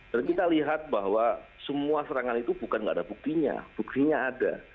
dan kita lihat bahwa semua serangan itu bukan nggak ada buktinya buktinya ada